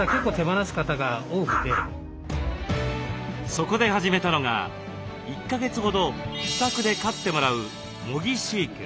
そこで始めたのが１か月ほど自宅で飼ってもらう模擬飼育。